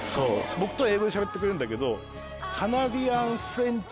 僕と英語でしゃべってくれるんだけど。